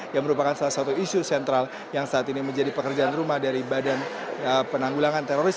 yang merupakan salah satu isu sentral yang saat ini menjadi pekerjaan rumah dari badan penanggulangan teroris